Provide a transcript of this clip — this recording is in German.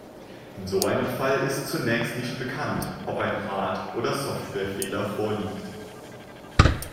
In so einem Fall ist zunächst nicht bekannt, ob ein Hard- oder Softwarefehler vorliegt.